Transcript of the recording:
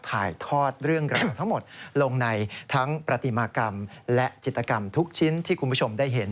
ถ่ายทอดเรื่องราวทั้งหมดลงในทั้งประติมากรรมและจิตกรรมทุกชิ้นที่คุณผู้ชมได้เห็น